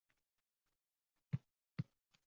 Ko‘kdan yerga bir ne tutash ko‘rinar